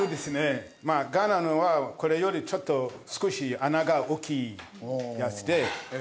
ガーナのはこれよりちょっと少し穴が大きいやつで。